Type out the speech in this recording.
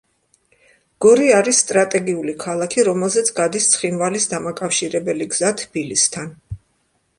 გორი არის სტრატეგიული ქალაქი, რომელზეც გადის ცხინვალის დამაკავშირებელი გზა თბილისთან.